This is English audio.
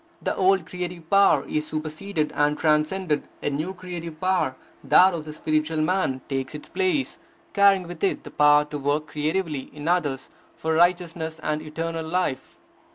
The old creative power is superseded and transcended; a new creative power, that of the spiritual man, takes its place, carrying with it the power to work creatively in others for righteousness and eternal life.